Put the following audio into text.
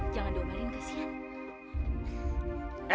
jangan diomongin kasihan